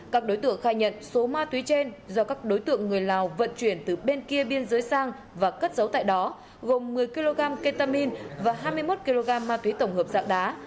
các đối tượng khai nhận số ma túy trên do các đối tượng người lào vận chuyển từ bên kia biên giới sang và cất giấu tại đó gồm một mươi kg ketamine và hai mươi một kg ma túy tổng hợp dạng đá